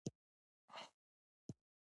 په هره برخه کي مي په مخ تکراري جملې زیاتې راځي